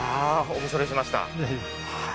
お見それしました。